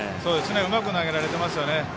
うまく投げられてますよね。